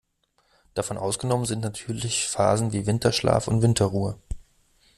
Davon ausgenommen sind natürlich Phasen wie Winterschlaf und Winterruhe.